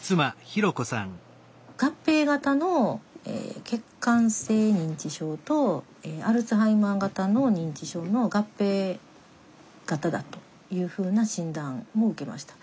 合併型の血管性認知症とアルツハイマー型の認知症の合併型だというふうな診断を受けました。